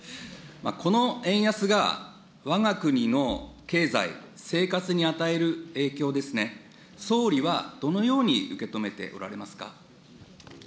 この円安が、わが国の経済、生活に与える影響ですね、総理はどのように受け止めておられますか。